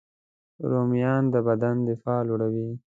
رومیان د بدن دفاع لوړوي